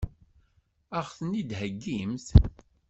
Ad ɣ-ten-id-heggimt?